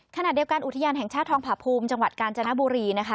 ขณะเดียวกันอุทยานแห่งชาติทองผาภูมิจังหวัดกาญจนบุรีนะคะ